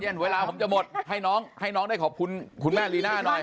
เย็นเวลาผมจะหมดให้น้องได้ขอบคุณคุณแม่รีน่าหน่อย